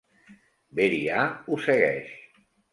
Beri'ah ho segueix.